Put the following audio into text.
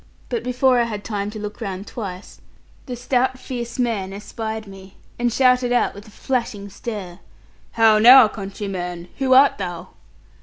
But before I had time to look round twice, the stout fierce man espied me, and shouted out with a flashing stare' 'How now, countryman, who art thou?'